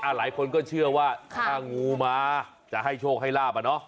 หลายคนก็เชื่อว่าถ้างูมาจะให้โชคให้ลาบอะเนาะ